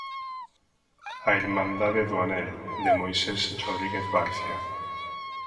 "A Irmandade do Anel" de Moisés Rodríguez Barcia.